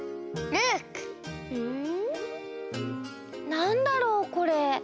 なんだろうこれ？